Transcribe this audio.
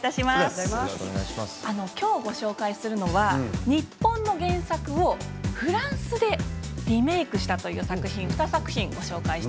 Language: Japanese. きょうご紹介するのは日本の原作をフランスでリメークした作品２作品です。